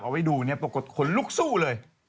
ไว้ดูเนี่ยปรากฏคนลุกสู้เลย